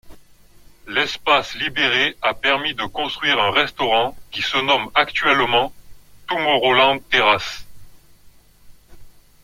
L'espace libéré a permis de construire un restaurant qui se nomme actuellement Tomorrowland Terrace.